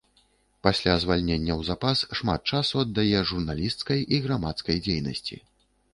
Пасля звальнення ў запас шмат часу аддае журналісцкай і грамадскай дзейнасці.